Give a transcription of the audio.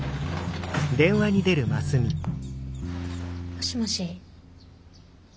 もしもし。